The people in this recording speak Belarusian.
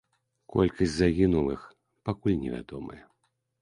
Колькасць загінулых пакуль не вядомая.